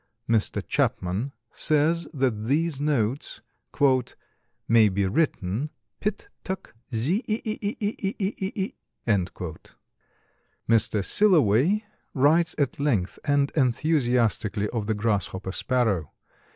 Mr. Chapman says that these notes "may be written pit túck zee e e e e e e e e." Mr. Silloway writes at length and enthusiastically of the Grasshopper Sparrow.